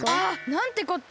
なんてこった！